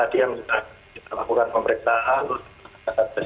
jadi sudah melalui tkp kemudian sudah melakukan pemeriksaan terhadap saksi saksi